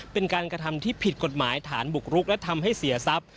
เป็นการกระทำที่ผิดกฎหมายฐานบุกรุกและทำให้เสียทรัพย์